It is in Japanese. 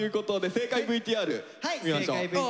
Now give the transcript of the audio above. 正解ＶＴＲ見てみましょう。